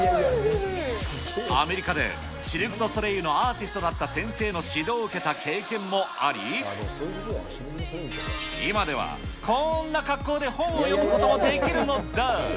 アメリカでシルク・ドゥ・ソレイユのアーティストだった先生の指導を受けた経験もあり、今ではこんな格好で本を読むこともできるのだ。